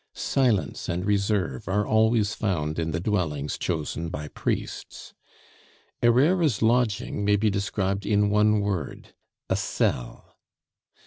Silence and reserve are always found in the dwellings chosen by priests. Herrera's lodging may be described in one word a cell.